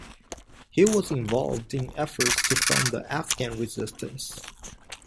He was involved in efforts to fund the Afghan resistance.